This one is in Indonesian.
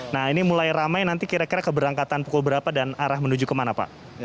nah ini mulai ramai nanti kira kira keberangkatan pukul berapa dan arah menuju kemana pak